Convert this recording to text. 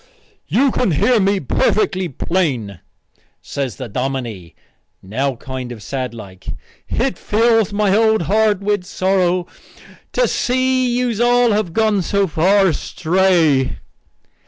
"You can hear me perfectly plain," says the dominie, now kind of sad like. "It fills my old heart with sorrow to see that yous all have gone so far astray."